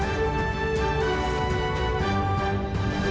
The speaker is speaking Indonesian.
jadi entah akansu fullback kalau saya beruntung dengan peski braka